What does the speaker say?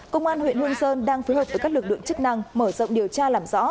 công an huyện hương sơn đang phối hợp với các lực lượng chức năng mở rộng điều tra làm rõ